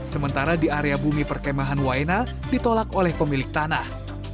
sementara di area bumi perkemahan waena ditolak oleh pemilik tanah